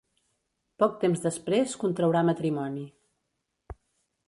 Poc temps després contraurà matrimoni.